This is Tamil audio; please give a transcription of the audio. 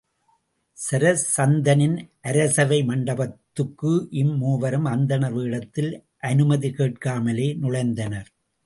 சராசந்தனின் அரசவை மண்டபத்துக்கு இம் மூவரும் அந்தணர் வேடத்தில் அனுமதி கேட்காமலேயே நுழைந்தனர்.